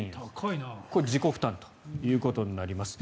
これ自己負担ということになります。